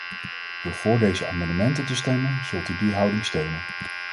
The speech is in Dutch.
Door voor deze amendementen te stemmen, zult u die houding steunen.